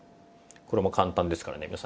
これも簡単ですからね。